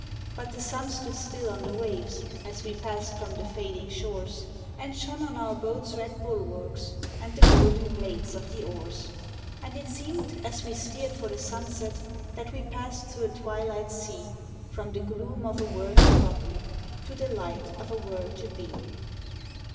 But the sun stood still on the waves as we passed from the fading shores, And shone on our boat's red bulwarks and the golden blades of the oars, And it seemed as we steered for the sunset that we passed through a twilight sea, From the gloom of a world forgotten to the light of a world to be.